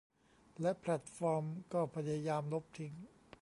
และแพลตฟอร์มก็พยายามลบทิ้ง